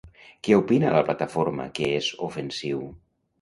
Què opina la plataforma que és ofensiu?